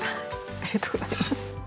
ありがとうございます。